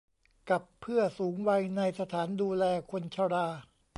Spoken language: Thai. กับเพื่อสูงวัยในสถานดูแลคนชรา